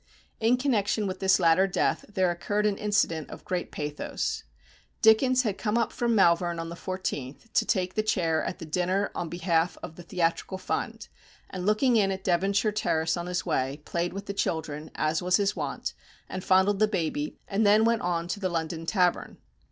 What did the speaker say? In connection with this latter death there occurred an incident of great pathos. Dickens had come up from Malvern on the 14th, to take the chair at the dinner on behalf of the Theatrical Fund, and looking in at Devonshire Terrace on his way, played with the children, as was his wont, and fondled the baby, and then went on to the London Tavern.